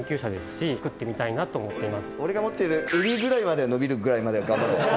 俺が持ってる襟ぐらいまで伸びるまでは頑張って。